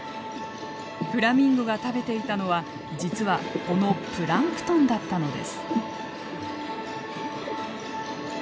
フラミンゴが食べていたのは実はこのプランクトンだったのです。